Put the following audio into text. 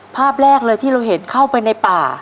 ภาพแรกเลยที่เราเห็นเข้าไปในป่า